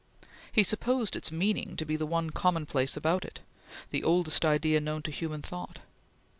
He supposed its meaning to be the one commonplace about it the oldest idea known to human thought.